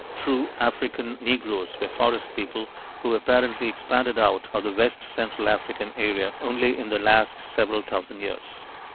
True African Negroes were forest people who apparently expanded out of the west central African area only in the last several thousand years.